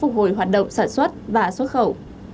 phục hồi hoạt động sản xuất và xuất khẩu